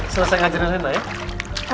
selesai ngajarinnya ya